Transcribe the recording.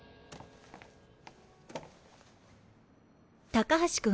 高橋君？